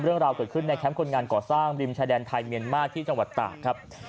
เรื่องราวเกิดขึ้นในแคมป์คนงานก่อสร้างริมชายแดนไทยเมียนมากที่จังหวัดตากครับ